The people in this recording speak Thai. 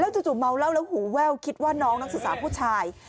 จู่เมาเหล้าแล้วหูแว่วคิดว่าน้องนักศึกษาผู้ชาย